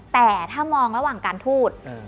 แต่ถ้ามองระหว่างการพูด